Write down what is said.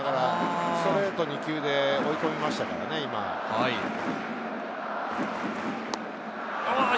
ストレート２球で追い込みましたからね、今ね。